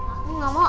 aku nggak mau